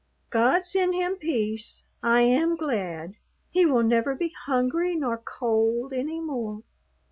God send him peace. I am glad. He will never be hungry nor cold any more."